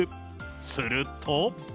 すると。